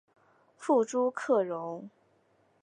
父朱克融。